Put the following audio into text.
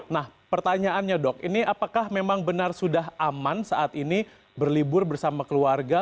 nah pertanyaannya dok ini apakah memang benar sudah aman saat ini berlibur bersama keluarga